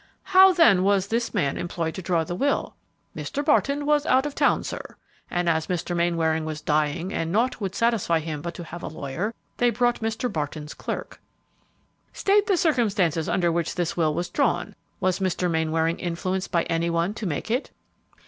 "How, then, was this man employed to draw the will?" "Mr. Barton was out of town, sir; and as Mr. Mainwaring was dying and naught would satisfy him but to have a lawyer, they brought Mr. Barton's clerk." "State the circumstances under which this will was drawn; was Mr. Mainwaring influenced by any one to make it?"